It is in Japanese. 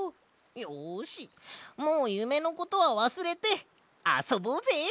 よしもうゆめのことはわすれてあそぼうぜ！